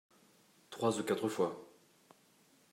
Trois ou quatre fois.